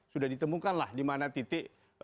sudah ditemukan lah di mana titik